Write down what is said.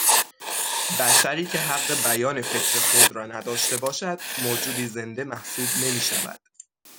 بشری که حق بیان فکر خود را نداشته باشد موجودی زنده محسوب نمیشود